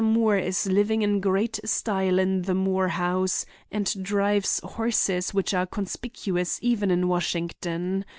Moore is living in great style in the Moore house, and drives horses which are conspicuous even in Washington.